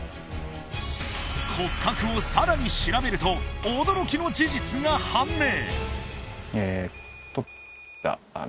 骨格をさらに調べると驚きの事実が判明！